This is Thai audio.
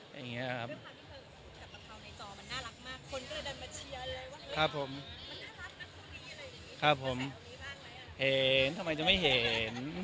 เห็นทำไมไม่เห็น